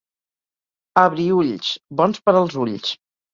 Abriülls, bons per als ulls.